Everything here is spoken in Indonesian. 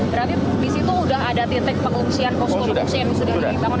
berarti di situ sudah ada titik pengungsian koskomen yang sudah diwitakan